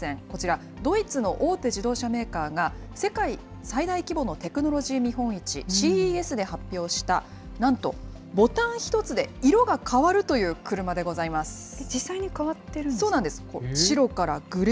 こちら、ドイツの大手自動車メーカーが、世界最大規模のテクノロジー見本市、ＣＥＳで発表した、なんとボタン１つで色が変わるという車でございます。